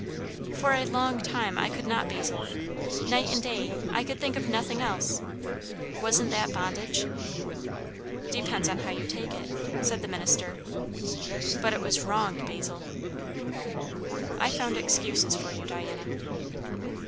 "For a long time I could not, Basil. Night and day I could think of nothing else. Wasn't that bondage?" "Depends on how you take it," said the minister. "But it was wrong, Basil." "I found excuses for you, Diana."